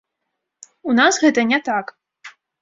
У нас гэта не так.